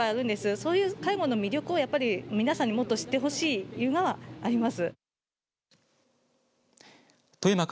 そういう介護の魅力をやっぱり皆さんにもっと知ってほしいというのがあります。